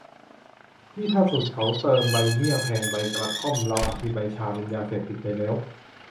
นี่ถ้าสูตรเค้าเติมใบเมี่ยงแทนใบกระท่อม เราอาจมีใบชาเป็นยาเสพติดไปแล้ว